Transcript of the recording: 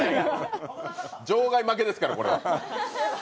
場外負けですから、これは。